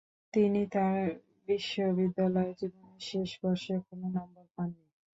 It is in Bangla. তিনি তার বিশ্ববিদ্যালয় জীবনের শেষ বর্ষে কোন নম্বর পাননি।